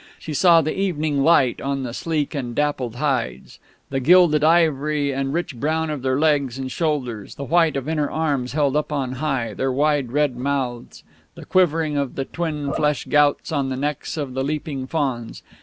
She saw the evening light on the sleek and dappled hides, the gilded ivory and rich brown of their legs and shoulders, the white of inner arms held up on high, their wide red mouths, the quivering of the twin flesh gouts on the necks of the leaping fauns.